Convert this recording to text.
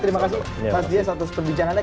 terima kasih mas jias atas perbincangannya